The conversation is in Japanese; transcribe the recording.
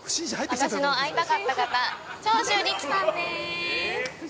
私の会いたかった方長州力さんです。